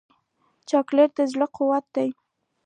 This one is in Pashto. چاکلېټ د زړه قوت دی.